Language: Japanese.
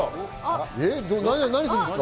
何するんですか？